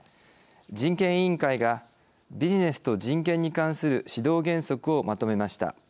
人権委員会がビジネスと人権に関する指導原則をまとめました。